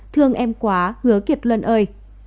thương em quá hứa kiệt luân ơi